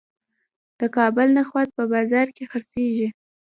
د کابل نخود په بازار کې خرڅیږي.